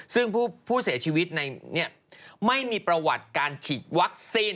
ซึ่งผู้เสียชีวิตไม่มีประวัติการฉีดวัคซีน